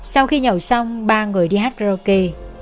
sau khi nhậu xong ba người đi hát karaoke